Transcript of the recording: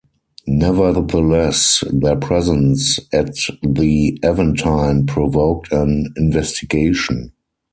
Nevertheless, their presence at the Aventine provoked an investigation.